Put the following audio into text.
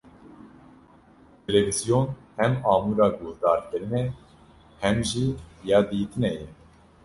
Televizyon hem amûra guhdarkirinê, hem jî ya dîtinê ye.